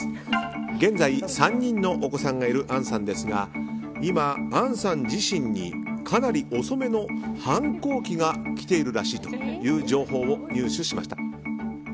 現在、３人のお子さんがいる杏さんですが今、杏さん自身にかなり遅めの反抗期が来ているらしいという情報を入手しました。